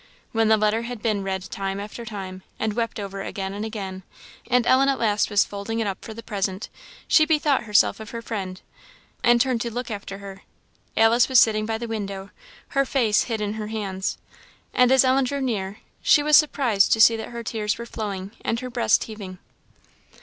When the letter had been read time after time, and wept over again and again, and Ellen at last was folding it up for the present, she bethought herself of her friend, and turned to look after her. Alice was sitting by the window, her face hid in her hands; and as Ellen drew near, she was surprised to see that her tears were flowing, and her breast heaving.